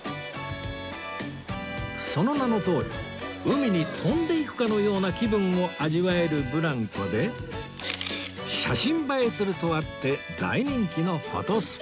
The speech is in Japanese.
その名のとおり海に飛んでいくかのような気分を味わえるブランコで写真映えするとあって大人気のフォトスポット